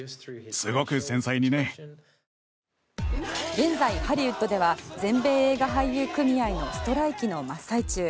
現在、ハリウッドでは全米映画俳優組合のストライキの真っ最中。